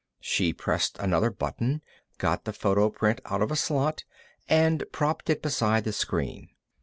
She pressed another button, got the photoprint out of a slot, and propped it beside the screen.